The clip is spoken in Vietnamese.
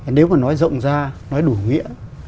nếu mà nói rộng ra nói đủ nghĩa